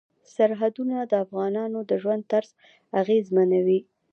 سرحدونه د افغانانو د ژوند طرز اغېزمنوي.